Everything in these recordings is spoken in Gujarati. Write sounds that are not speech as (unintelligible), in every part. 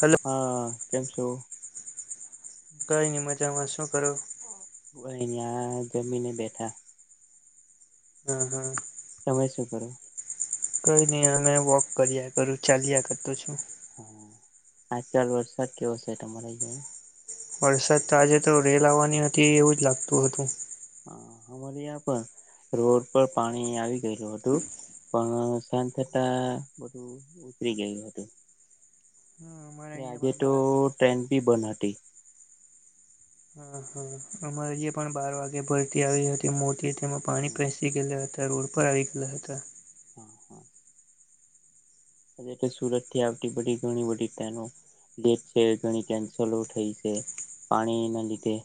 હલો હા કેમ છો? કંઈ નઈ મજામાં શું કરો? ભઈ, આ જમીને બેઠા. હા, હા. તમે શું કો? કંઈ નઈ અમે વોક કર્યા કરું ચાલ્યા કરતો છું. હા આજ કાલ વરસાદ કેવો છે, તમારે (unintelligible) વરસાદ તો આજે તો રેલ આવવાની હતી એવું જ લાગતું હતું. હા અમારે યા પણ રોડ પર પાણી આવી ગયેલું હતું. પણ સાંજ થતા બધું ઉતરી ગયું હતું. હા. અરે આજે તો ટ્રેન બી બંધ હતી. હા હા અમારે અ પણ બાર વાગે ભરતી આવી હતી મોટી તેમાં પાણી પેસી એટલે અતારે રોડ પર આવી ગેલા હતા. હા હા. એટલે કે સુરતથી આવતી બધી ઘણી બધી મોટી ટ્રેનો (unintelligible) જે છે ઘણી કેન્સલ સૌ થઈ છે પાણી ના લીધે.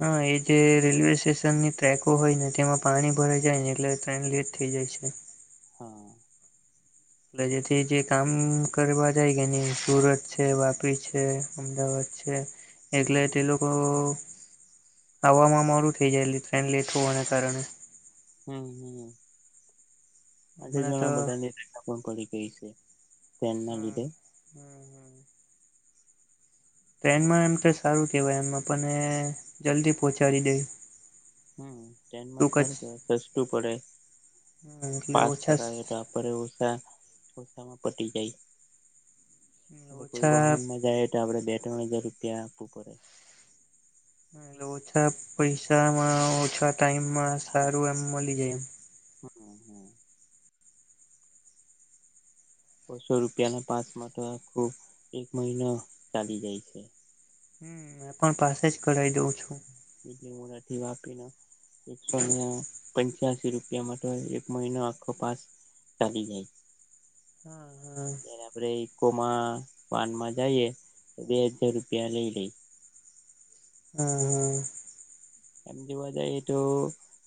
હા એ જે રેલવે સ્ટેશનની ટ્રેકો હોય ને તેમાં પાણી ભરાઈ જાય ને એટલે ટ્રેન લેટ થઇ જાય છે. હા એટલે જે જે કામ કરવા જાય કે નહીં સુરત છે વાપી છે અમદાવાદ છે. એટલે હમ તે લોકો આવવામાં મોડું થઈ જાય એટલે ટ્રેન લેટ હોવાને કારણે. હમ હમ આજે હમણાં તો ઘણા બધાને (unintelligible) પડી ગઈ છે. ટ્રેનના હમ્મ લીધે હમ્મ હમ્મ. ટ્રેનમાં એમ કે સારું કહેવાય એમ આપણને જલ્દી પહોંચાડી દે. હમ્મ, ટ્રેનમાં ટૂંક જ સારું કહેવાય સસ્તું પડે એટલે પાસ ઓછા કરાવે તો. પડે ઓછા સસ્તામાં પતી જાય એટલે કોઈ ઓછા વાહનમાં જાય. તો આપણે બે ત્રણ હજાર રૂપિયા આપવું પડે. એટલે ઓછા પૈસામાં ઓછા ટાઈમમાં સારું એમ મળી જાય. હમ્મ હમ્મ. બસો રૂપિયા ના પાસમાંતો આખો એક મહિનો ચાલી જાય છે. હુ એ પણ પાસે જ કરાવી દઉં છું. બીલીમોરા થી વાપીનો એકસોને પંચ પંચ્યાસી રૂપિયા તો એક મહિનો આખો પાસ ચાલી જાય. હા હા આપણે ઈકોમા વાનમાં જઈએ ડેડશો રૂપિયા લઈ લે. હા એમ જોવા જઈએ તો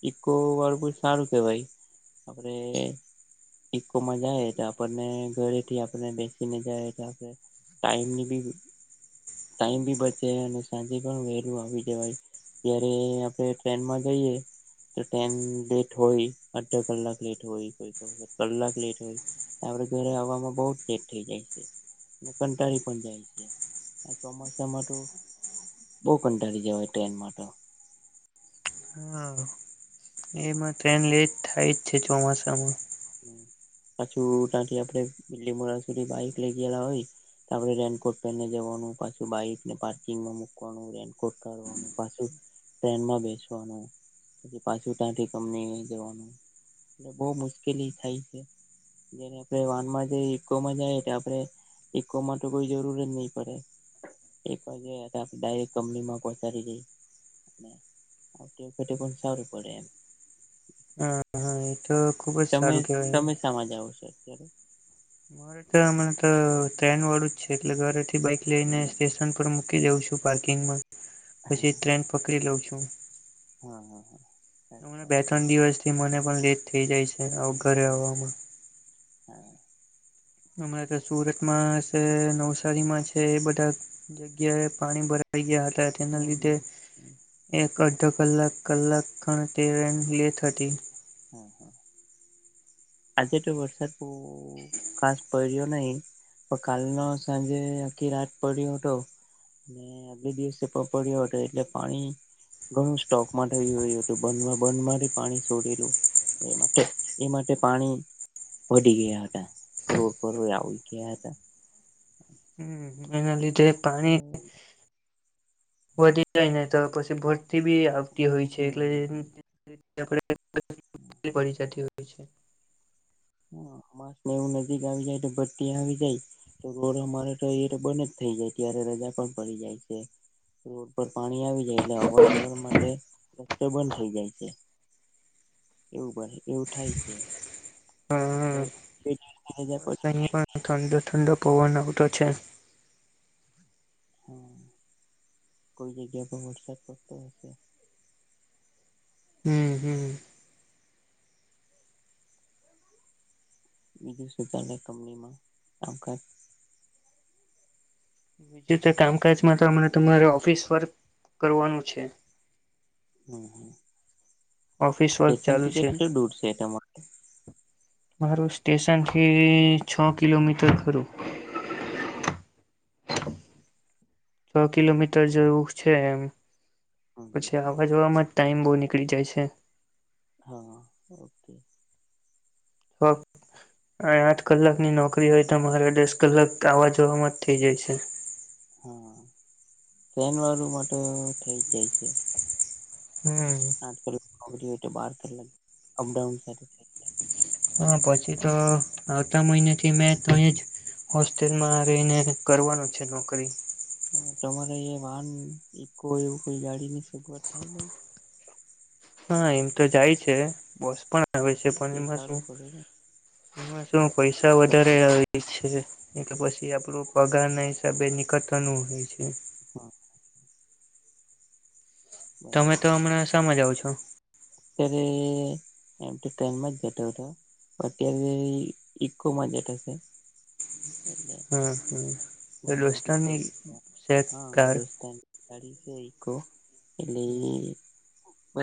ઈકો વારુ સારું કેવાય આપરે ઇકોમાં જાય તો આપણને ઘરે થી આપણને બેસીને જાય તો આપે ટાઈમની બી ટાઈમ બી બચે અને સાંજે પણ વહેલું આવી જવાય ને આપણે ટ્રેનમાં જઈએ તો ટ્રેન લેટ હોય અડધો કલાક લેટ હોય કોઈ તો કલાક લેટ હોય આપરે ઘરે આવામાં બહુ જ લેટ થઈ જાય છે ને કંટાળી પણ જાય છે ને ચોમાસામાં તો બહુ કંટાળી જવાય ટ્રેનમાં તો હા એમાં ટ્રેન લેટ થાય જ છે ચોમાસામાં પાછું ત્યાંથી આપડે બીલીમોરા સુધી બાઈક લઈ ગયેલા હોય આપડે રેઈનકોટ પહેરીને જવાનું પાછું બાઈક ને પાર્કિંગમાં મૂકવાનું રેઈનકોટ કાઢવાનું પાછું ટ્રેનમાં બેસવાનું પછી પાછું ત્યાંથી કંપનીએ જવાનું એટલે બહુ મુશ્કેલી થાય છે જેને આપણે વાન માં જઈએ ઇકોમાં જઈએ તો આપડે ઇકો માં તો કોઈ જરૂર જ ની પડે એક વાગ્યા ડાયરેક્ટ કંપનીમાં પહોંચાડી દેય આવતી વખતે પણ સારું પડે એમ હા હા એ તો ખુબ જ સારું કેવાય નાવા જવું છે અત્યારે મારે તો હમને તો ટ્રેન વાળું જ છે એટલે ઘરેથી બાઈક લઈને સ્ટેશન પર મૂકી જઉં છું પાર્કિંગમાં પછી હા ટ્રેન પકડી લઉં છું હા હા હા હમણાં અચ્છા બે ત્રણ દિવસ થી મને પણ લેટ થઇ જાય છે હમ ઘરે હમ આવામાં હા અમારે તો સુરતમાં છે નવસારીમાં છે એ બધા જગ્યાએ પાણી ભરાઈ ગયા હતા તેના હમ લીધે હમ એક અડધો કલાક કલાક ખાન ટ્રેન લેટ હતી હા હા આજે તો વરસાદ બો ખાસ પડ્યો નહી પણ કાલનો સાંજે આખી રાત પડ્યો હતો ને અગલે દિવસે પણ પડ્યો હતો એટલે પાણી ઘણું સ્ટોકમાં થઈ ગયું હતું બંધમાં બંધમાંથી પાણી છોડેલું એમા તો એમ તે પાણી પડી ગયા હતા રોડ પર આવી ગયા હતા હમ એના લીધે પાણી વધી જાય ને તો પછી ભરતી બી આવતી હોય છે એટલે પડી જતી હોય છે હ માસને એવું નજીક આવી જાય તો ભટ્ટતી આવી જાય તો રોડ અમારે તો એ તો બન જ થઇ જાય ત્યારે રજા પણ પડી જાય છે રોડ પર પાણી આવી જાય એટલે અવર જવર માટે રસ્તો બંધ થઇ જાય છે એવું બને એવું થાય છે હા (inaudible) બસ અહિયાં ઠંડો ઠંડો પવન આવતો છે હા કોઈ જગ્યા પર વરસાદ પડતો હશે હમ હમ બીજું સુ ચ કંપનીમાં કામકાજ (unintelligible) બીજું કામકાજમાં તો હમણાં તમારે ઓફિસ વર્ક કરવાનું છે હમ ઓફિસ વર્ક સ્ટેશન ચાલુ ટ છે કેટલ તો દૂર છે એ તમા માટે (unintelligible) મારું સ્ટેશનથી છ કિલોમીટર ખરું છ કિલોમીટર જેવું છે એમ હમ પછી હમ આવ જોવામાં ટાઈમ બહુ નીકળી જાય છે હા ઓકે (inaudible) હા (unintelligible) અને આઠ કલાક ની નોકરી હોય તો મારે દસ કલાક આવા જોવાવામાં જ થઇ જાય છે હા શનવાર માટે થઇ જાય છે (unintelligible) હમ બપ (unintelligible) હા પછી તો આવતા મહિને થી મેં તો જ હોસ્ટેલમાં રહીને કરવાનું છે તો કરીશ હ તમારે અ વાહન ઈકો એવું કોઈ ગાડી ની સગવડ થાય ન હા એમ તો જાય છે બોસ પણ આવે છે પણ એ એમા શું સારું પડે ને આમા હા પૈસા વધારે હો છે એલે પછી આપણું પગાર ના હિસાબે નિકટનું હોય છે (unintelligible) હ તમે બરાબર તો હમણાં શામાં જાવ છો ત એમ ટાઈમમાં જ જટવ (unintelligible) વાટી ઇકો માજેટ હશે (unintelligible) હમ હ ગામમાંથી દોસ્તાની જ શેક કાર ડી આ એ બ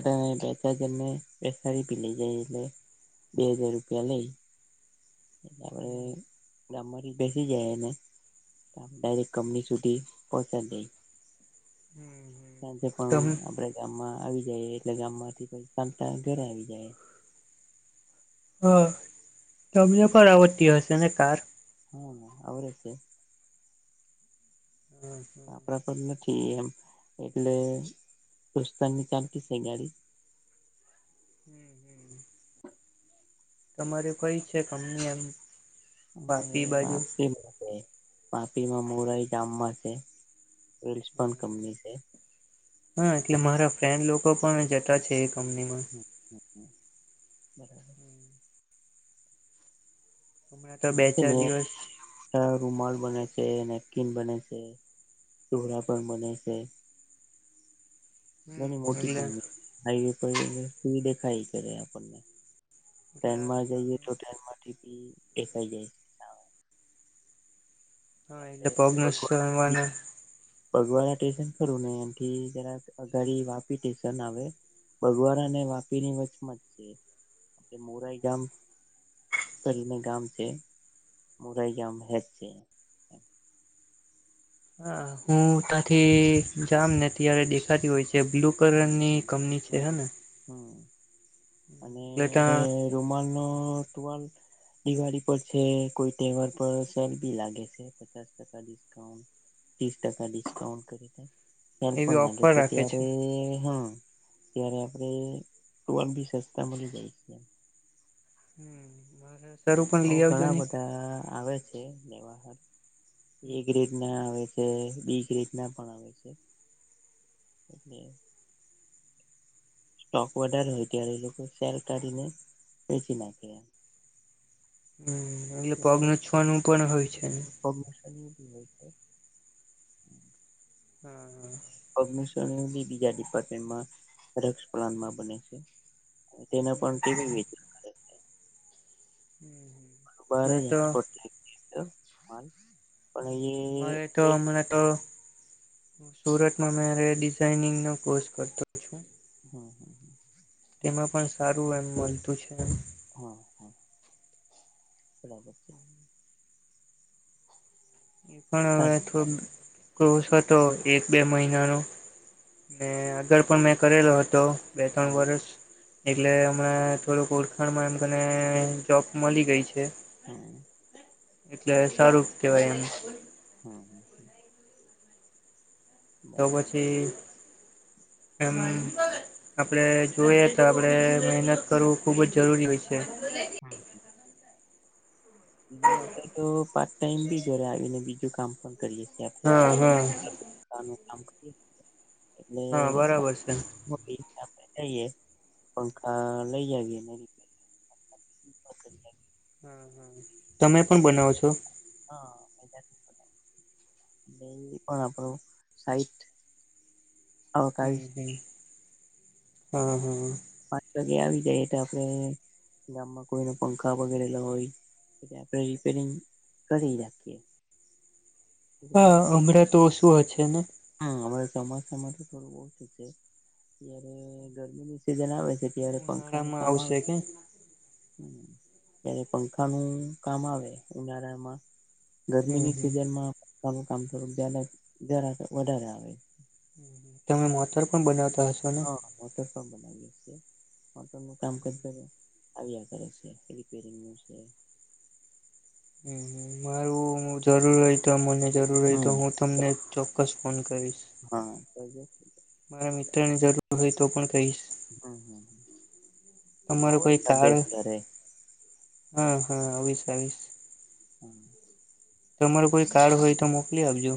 (unintelligible) ત જને પેસારી પલી જાય બે હજાર રૂપિયા લે (unintelligible) એળ (unintelligible) ગામ માંથી બેસી જાયને આ ડાયરેક કંપનીસુધી પોચાડી દે હમ હમ (inaudible) સાંજે પણ આપડે ગામમાં આવી જાયએ એટલે ગામ માંથી ચાલતા ઘરે આવી જાય હ તમને પણ આવડતી હશે ને કાર હા આવડે છે હા (inaudible) આપપડા પર નથી એમ એટલે રસ્તાની ચાલતી છે ગાડી હમ હમ (inaudible) તમારે કઈ છે કંપની એમ વાપી અરે બાજુ વાપી છે વાપીમાં મોરાઈ જામમાં છે રિસ્પન્સ કંપની છે હા એટલે મારા ફ્રેન્ડ લોકો પણ જતા છે એ કંપનીમાં હ હ હ બરાબર (inaudible) હમણાં તો બે મા ચાર છેને દિવસ રૂમાલ બને છે નેપકીિન બને છે દોરા પણ બને છે હમ (inaudible) ઘણી મોટી એટલે કંપની હાઈવે પર સુ દેખાઈ કરે આપણને એટલે ટ્રેનમાં જઈએ તો ટ્રેનમાં થી દેખાય જાય હા છે. એટલે પગ નવા (unintelligible) બગવાડા સ્ટેશન ખરું ને એન થી જરા અઘાડી વાપી સ્ટેશન આવે. બગવાડા અને વાપીની વચમાં જે મોરાઈ ગામ. કરી ને ગામ છે મોરાઈ ગામ હેજ છે. હા હું ત્યાંથી જામ ને ત્યારે દેખાતી હોય છે બ્લુ કલરની હમ્મ કંપની છે હે ને હમ્મ અને એટલે ત્યાં (unintelligible) નોં તમારે દિવાળી પર છે કોઈ તહેવાર પર સેલ બી લાગે છે પચાસ ટકા. ડિસ્કાઉન્ટ તીસ ટકા ડિસ્કાઉન્ટ (unintelligible) ત્યારે એવી પણ લાગે ઓફર તે રાખે છે હવે હા, ત્યારે આપણેે ટુવાલ બી સસ્તા મળી જાય છે. હમ્મ નાના જ બહુ ઘણા બધા આવે છે લેવા હાટ એ ગ્રેડ ના આવે છે બી ગ્રેડ ના પણ આવે છે એટલે સ્ટોક વધારે હોય ત્યારે એ લોકો સેલ કાઢીને વેચી નાખે એમ. હમ્મ એટલે પગલૂછનિયુ પણ હોય છે એમ. (unintelligible) હમ્મ. પગલુછણિયું બી બીજા ડિપાર્ટમેન્ટમાં (unintelligible) પ્લાન્ટમાં બને છે. તેના પણ ટીવી (unintelligible) (unintelligible) બારે મેં તો એકસપોર્ટ થાય (unintelligible) માલ પણ મારે એ તો મને તો સુરતમાં મે ડિઝઇનિંગ નો કોર્સ કરતો છું. હમ્મ. તેમાં પણ સારું એમ મલતું છે એમ. હા હા બરાબર છે. પણ હવે સારું (unintelligible) કોર્સ હતો એક બે મહિનાનો ને આગળ પણ મેં કરેલો હતો. બે ત્રણ હા વરસ. એટલે હમણાં થોડુક ઓળખાણમાં એમ મને જોબ મલી ગઈ છે. (unintelligible) એટલે સારું કહેવાય એમ. હમ્મ. તો પછી એમ. આપડે જોઈએ તો આપડે મહેનત કરવું ખુબ જ જરૂરી હોય છે. હમ્મ. બીજું આપણે તો પાર્ટ ટાઈમ બી ઘરે આવીને બીજું કામ પણ કરીએ છીએ આપણે. (unintelligible) હા હા એટલે હા બરાબર છે (unintelligible) આપણે જઈએ પંખા લઈ આવીએ (unintelligible) હમ્મ હમ્મ, તમે પણ બનાવો છો? હા (unintelligible) એ પણ આપણો સાઈટ. આવકાવી હમ્મ હમ્મ હા હા. પાંચ વાગે આવી જાઇએ તો આપણે ગામમાં કોઈ ન પંખા બગડેલા હોય. એ આપણેે રીપેરિંગ કરી રાખીએ. હા હમણાં તો ઓ શું હશે ને. હમ્મ અમારે ચોમાસામાં તો થોડું ઓછું છે ત્યારે ગરમીની સિઝન આવે છે. ત્યારે પંખા ઉનાળામાં કામ આવે. (inaudible) ત્યારે પંખા નું કામ આવે ઉનાળામાં. હમ ગરમીની હમ સિઝન માં સારું કામ કરું વધારે આવે. હમ્મ હમ્મ. તમે માથર પણ બનાવતા હશે. હાટર સ બનાએ છી. મોટર નું કામ કર કર આવ્યા કરે છે રિપેરિંગ ન છે. હ મારું જરૂર હોય તો મને જરૂર હોય તો હમ હું. તમને ચોક્કસ ફોન કરીશ. હા સા જ. મારા મિત્ર ની જરૂર હોય તો પણ કહીશ. હમ્મ હમ્મ તમારો આવો કોઈ કાર્ડ આધ્યાસ ક્યારે. હા હા આવીસ આવીશ. હમ્મ. તમારું કોઈ કાર્ડ હોય તો મોકલી આપજો.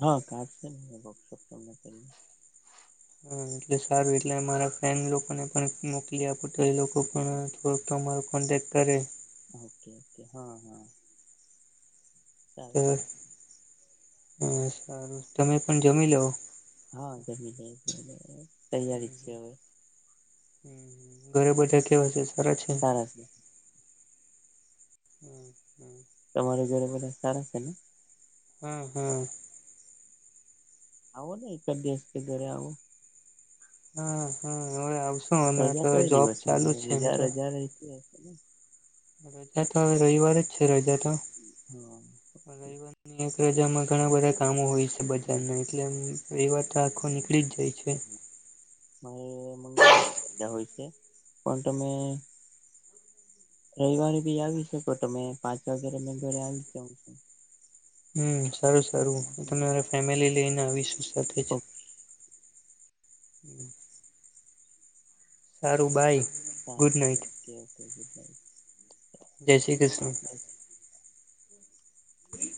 હા કજ છે વર્કશોપ તમને કરી. હા એટલે સારું એટલે મારા ફન લોકોને પણ મોકલી આપું તો એ લોકો હા પણ તો તમાર કોન્ટેક્ટ કરે. ઓકે ઓકે હા હા. સારું તો કેવાય હ સારું તમે પણ જમી લેવું. હા જમી જાય છે તૈયારી છે હવે. હ ઘરે બધા કેવા છે સારા છે. હા. હમ્મ હમ્મ. તમારી ઘડે બધા સારા છે ને. હમ્મ હમ્મ. આવો ને એકા દેશ કે ઘરે આવવો. હમ્મ હમ્મ એ. રજા કઈ દિવસને રજા હજાર રજા તોવે રવિવાર જ છે રજા તો. હો. રવાની એક રજામાં ઘણા બધા કામો હોય છે હમ બજારના. એટલેમ રવા તો આખો નીકળી જ જાય છે. હમ. મારે મંગળવારે્યા હોય છે પણ તમે રવિવારે બી આવી શકો તમે પાંચ વાગે મે ઘરે આવી જાઉં છું હમ સારું સારું હમ તમે તમારો મારે ફેમિલી લઈને આવીશું સાથે જ ખૂબ હમ્મ શારુંબાઈ સાર સાર ઓકે ઓકે ગુડ નાઈટ જય શ્રી કૃષ્ણ હ